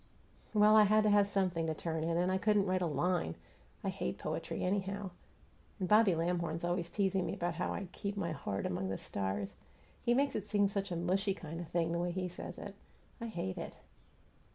"Well, I had to have something to turn in, and I couldn't write a LINE! I hate poetry, anyhow; and Bobby Lamhorn's always teasing me about how I 'keep my heart among the stars.' He makes it seem such a mushy kind of thing, the way he says it. I hate it!"